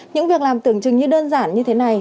những việc làm tưởng chừng như đơn giản như thế này